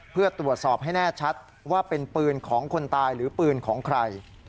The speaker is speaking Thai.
เพื่อตรวจสอบให้แน่ชัดว่าเป็นปืนของคนตายหรือปืนของใคร